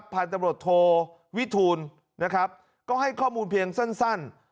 พันธุ์ตำรวจโทวิทูลนะครับก็ให้ข้อมูลเพียงสั้น